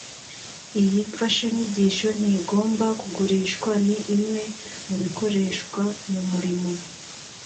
iyi mfashanyigisho ntigomba kugurishwa ni imwe mu bikoreshwa mu murimo